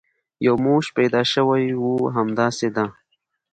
یو موش پیدا شوی وي، همداسې ده.